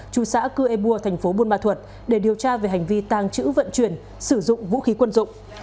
chú xã cư ê bua thành phố buôn ma thuật để điều tra về hành vi tàng trữ vận chuyển sử dụng vũ khí quân dụng